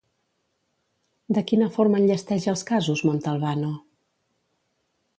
De quina forma enllesteix els casos Montalbano?